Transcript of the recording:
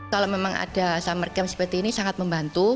kalau memang ada summer camp seperti ini sangat membantu